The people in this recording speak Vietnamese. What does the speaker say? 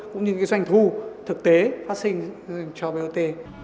cũng như cái doanh thu thực tế phát sinh cho bot